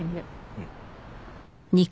うん。